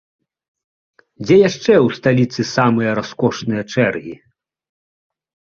Дзе яшчэ ў сталіцы самыя раскошныя чэргі?